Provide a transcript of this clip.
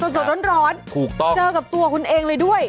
สดร้อนเจอกับตัวคุณเองเลยด้วย